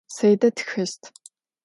Saide txeşt.